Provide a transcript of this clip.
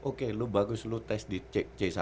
oke lo bagus lo tes di cek c satu